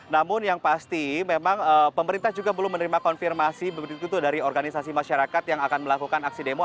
namun yang pasti memang pemerintah juga belum menerima konfirmasi begitu dari organisasi masyarakat yang akan melakukan aksi demo